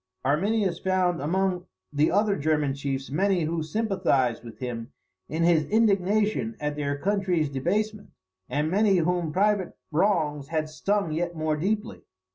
"] Arminius found among the other German chiefs many who sympathised with him in his indignation at their country's debasement, and many whom private wrongs had stung yet more deeply.